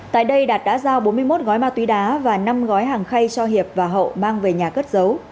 tại đây đạt đã giao bốn mươi một gói ma túy đá và năm gói hàng khay cho hiệp và hậu mang về nhà cất giấu